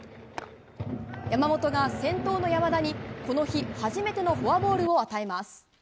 山本が先頭の山田にこの日、初めてのフォアボールを与えます。